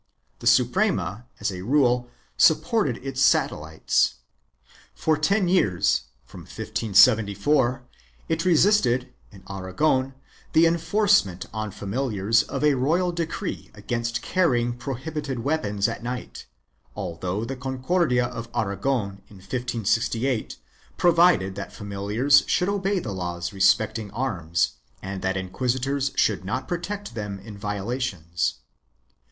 The Suprema as a rule supported its satellites. For ten years, from 1574, it resisted, in Aragon, the enforcement on familiars of a royal decree against carrying prohibited weapons at night, although the Concordia of Aragon in 1568 provided that famil iars should obey the laws respecting arms and that inquisitors should not protect them in violations.